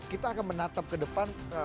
kita akan menatap ke depan